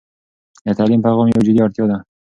د تعلیم پیغام یو جدي اړتيا ده.